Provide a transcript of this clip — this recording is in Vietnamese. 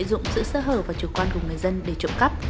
lợi dụng sự sơ hở và chủ quan của người dân để trộm cắp